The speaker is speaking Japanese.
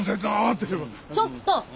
ちょっと。